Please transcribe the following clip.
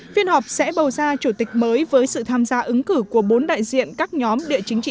phiên họp sẽ bầu ra chủ tịch mới với sự tham gia ứng cử của bốn đại diện các nhóm địa chính trị